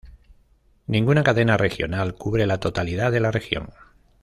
Ninguna cadena regional cubre la totalidad de la región.